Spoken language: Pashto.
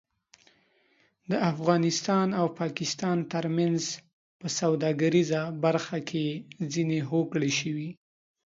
د افغانستان او پاکستان ترمنځ په سوداګریزه برخه کې ځینې هوکړې شوې